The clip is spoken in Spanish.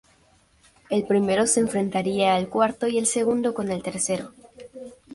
El primero se enfrentaría al cuarto y el segundo con el tercero.